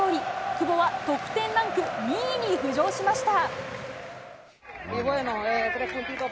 久保は得点ランク２位に浮上しました。